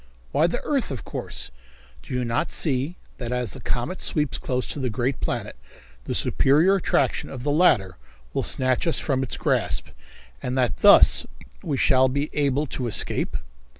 "Why, the earth, of course. Do you not see that as the comet sweeps close to the great planet the superior attraction of the latter will snatch us from its grasp, and that thus we shall be able to escape?"